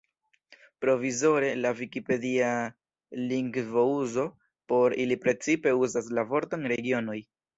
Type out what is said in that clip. Provizore, la vikipedia lingvouzo por ili precipe uzas la vorton "regionoj".